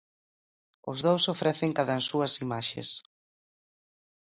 Os dous ofrecen cadansúas imaxes.